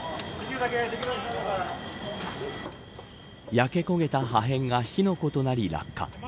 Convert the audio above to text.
焼け焦げた破片が火の粉となり落下。